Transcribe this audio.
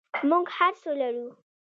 موږ هر څه لرو؟